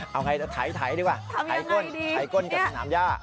เอาไงถ่ายดีกว่าถ่ายก้นกับสนามย่า